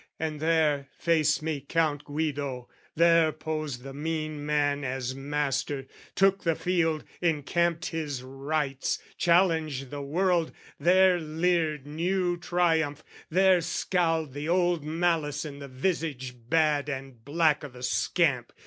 And there Faced me Count Guido, there posed the mean man As master, took the field, encamped his rights, Challenged the world: there leered new triumph, there Scowled the old malice in the visage bad And black o' the scamp.